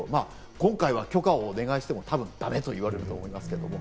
今回は許可をお願いしても多分ダメと言われると思いますけれども。